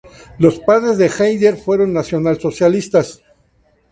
Los padres de Haider fueron nacionalsocialistas.